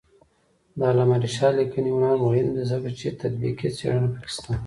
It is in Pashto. د علامه رشاد لیکنی هنر مهم دی ځکه چې تطبیقي څېړنه پکې شته.